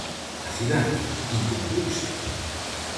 A cidade, inconclusa?